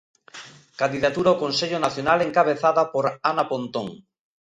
Candidatura ao consello nacional encabezada por Ana Pontón.